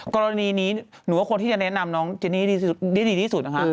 กรณีนี้หนูว่าคนที่จะแนะนำน้องเจนี่ได้ดีที่สุดนะคะ